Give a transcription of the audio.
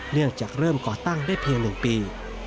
เนื่องจากเริ่มก่อตั้งได้เพียง๑ปี